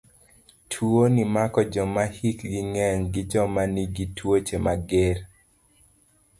Tuoni mako joma hikgi ng'eny gi joma nigi tuoche mager.